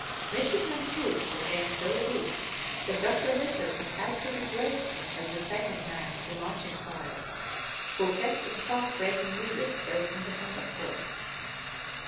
Midshipman Hood became so weak that Dr. Richard son had to replace him as the second man in the march ing file, who kept the path breaking leader straight on the compass course.